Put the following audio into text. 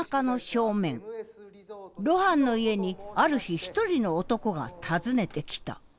露伴の家にある日一人の男が訪ねてきた。